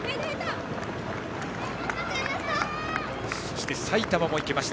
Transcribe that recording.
そして埼玉も行きました。